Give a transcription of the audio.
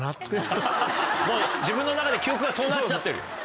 もう自分の中で記憶がそうなっちゃってる。